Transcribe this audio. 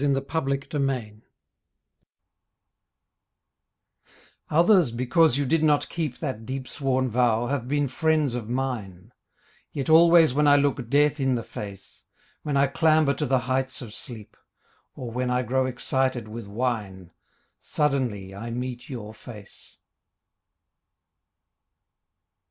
A DEEP SWORN VOW Others because you did not keep That deep sworn vow have been friends of mine; Yet always when I look death in the face, When I clamber to the heights of sleep, Or when I grow excited with wine, Suddenly I meet your face.